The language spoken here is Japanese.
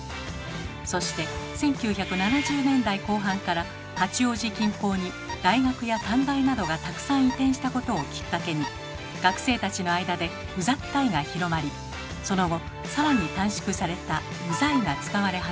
そして１９７０年代後半から八王子近郊に大学や短大などがたくさん移転したことをきっかけに学生たちの間で「うざったい」が広まりその後さらに短縮された「うざい」が使われ始めます。